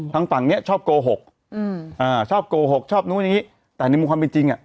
ทางฝั่งเนี้ยชอบโกหกอืมอ่าชอบโกหกชอบนู้นอย่างนี้แต่ในมุมความเป็นจริงอ่ะ